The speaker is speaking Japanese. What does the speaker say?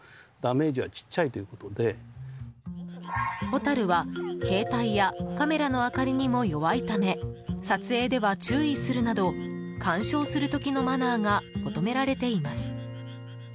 ホタルは携帯やカメラの明かりにも弱いため撮影では注意するなど鑑賞する時のマナーが求められています。